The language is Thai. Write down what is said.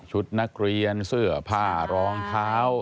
ชุดนักเรียนเสื้อผ้ารองเท้า